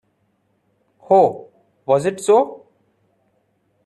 Oh, was it so?